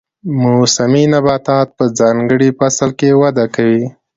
موسمي نباتات په ځانګړي فصل کې وده کوي